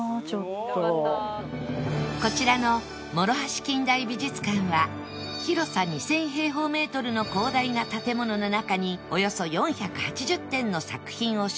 こちらの諸橋近代美術館は広さ２０００平方メートルの広大な建物の中におよそ４８０点の作品を所蔵